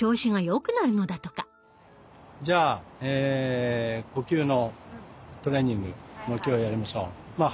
じゃあ呼吸のトレーニングを今日やりましょう。